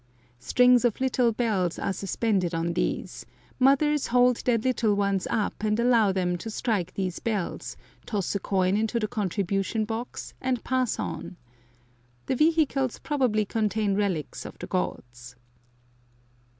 Strings of little bells are suspended on these; mothers hold their little ones up and allow them to strike these bells, toss a coin into the contribution box, and pass on. The vehicles probably contain relics of the gods.